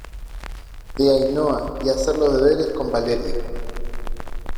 de Ainhoa y hacer los deberes con Valeria.